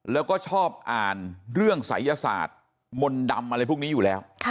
แล้วก็ชอบอ่านเรื่องศัยศาสตร์มนต์ดำอะไรพวกนี้อยู่แล้ว